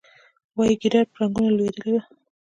وایي ګیدړ په رنګونو کې لوېدلی و.